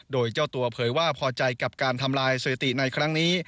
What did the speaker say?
โดยเจ้าตัวเผยว่าพอใจกับการทำลายสถิติในครั้งนี้